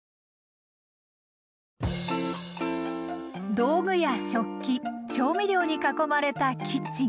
道具や食器調味料に囲まれたキッチン。